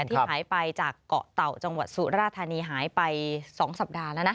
ที่หายไปจากเกาะเต่าจังหวัดสุราธานีหายไป๒สัปดาห์แล้วนะ